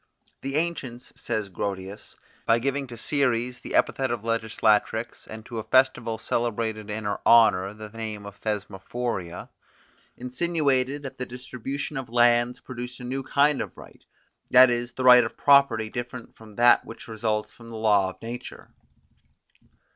The ancients, says Grotius, by giving to Ceres the epithet of Legislatrix, and to a festival celebrated in her honour the name of Thesmorphoria, insinuated that the distribution of lands produced a new kind of right; that is, the right of property different from that which results from the law of nature.